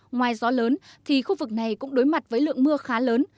ngoài gió lớn thì khu vực này cũng đối mặt với lượng mưa khá lớn